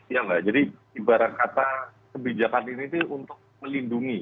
ya mbak jadi ibarat kata kebijakan ini untuk melindungi